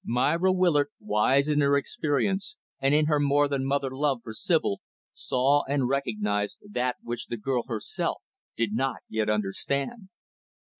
Myra Willard, wise in her experience, and in her more than mother love for Sibyl, saw and recognized that which the girl herself did not yet understand.